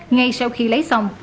ngay sau khi lấy xong